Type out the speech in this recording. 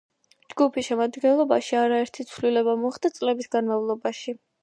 ჯგუფის შემადგენლობაში არაერთი ცვლილება მოხდა წლების განმავლობაში.